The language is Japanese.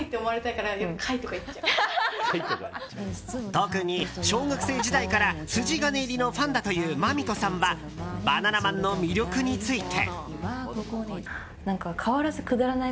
特に小学生時代から筋金入りのファンだというＭａｍｉｃｏさんはバナナマンの魅力について。